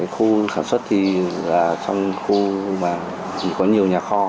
khu sản xuất thì là trong khu mà chỉ có nhiều nhà kho